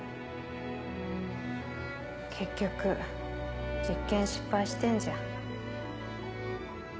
結局実験失敗してんじゃん。